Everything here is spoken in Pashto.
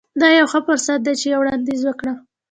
دا یو ښه فرصت دی چې یو وړاندیز وکړم